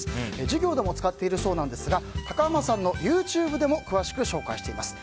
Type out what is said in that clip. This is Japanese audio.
授業でも使っているそうですが高濱さんのＹｏｕＴｕｂｅでも詳しく紹介しています。